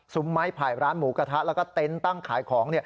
ไม้ไผ่ร้านหมูกระทะแล้วก็เต็นต์ตั้งขายของ